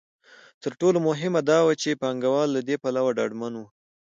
تر ټولو مهمه دا ده چې پانګوال له دې پلوه ډاډمن وو.